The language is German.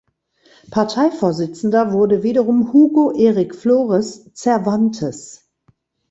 Parteivorsitzender wurde wiederum Hugo Eric Flores Cervantes.